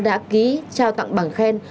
đã ký trao tặng bảng khen